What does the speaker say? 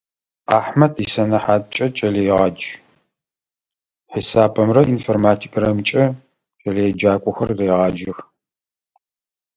Ахьмэд исэнэхьаткӀэ кӀэлэегъадж, хьисапымрэ информатикэмрэкӀэ кӀэлэеджакӀохэр регъаджэх.